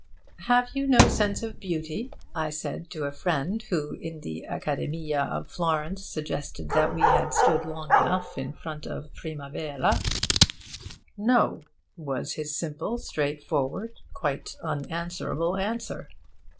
'Have you no sense of beauty?' I said to a friend who in the Accademia of Florence suggested that we had stood long enough in front of the 'Primavera.' 'No!' was his simple, straightforward, quite unanswerable answer.